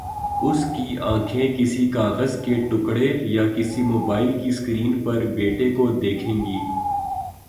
اس کے آنکھیں کسی کاغذ کے ٹکڑے یا کسی موبائل کی سکرین پر بیٹے کو دیکھیں گی۔